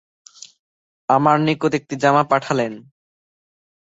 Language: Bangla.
আমার নিকট একটি জামা পাঠালেন।